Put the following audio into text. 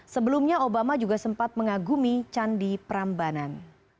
sebelumnya obama juga sempat mengagumi candi prambanan